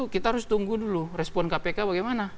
kita harus tunggu dulu respon kpk bagaimana